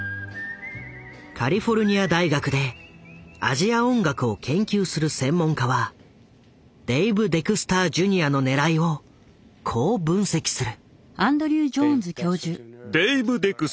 カリフォルニア大学でアジア音楽を研究する専門家はデイブ・デクスター・ジュニアのねらいをこう分析する。